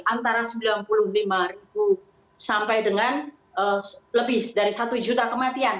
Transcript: antara sembilan puluh lima ribu sampai dengan lebih dari satu juta kematian